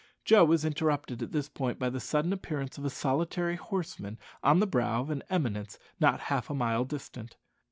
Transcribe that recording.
Joe was interrupted at this point by the sudden appearance of a solitary horseman on the brow of an eminence not half a mile distant.